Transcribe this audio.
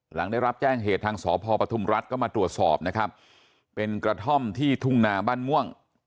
หลังได้รับแจ้งเหตุทางสพปทุมรัฐก็มาตรวจสอบนะครับเป็นกระท่อมที่ทุ่งนาบ้านม่วง